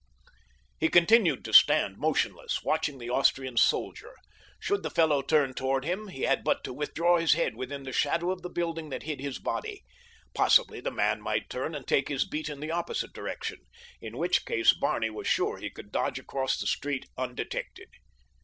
He continued to stand motionless, watching the Austrian soldier. Should the fellow turn toward him, he had but to withdraw his head within the shadow of the building that hid his body. Possibly the man might turn and take his beat in the opposite direction. In which case Barney was sure he could dodge across the street, undetected.